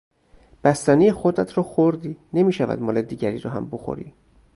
بستنی خودت را خوردی، نمیشود مال دیگری را هم بخوری!